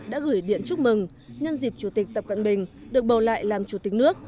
đã gửi điện chúc mừng nhân dịp chủ tịch tập cận bình được bầu lại làm chủ tịch nước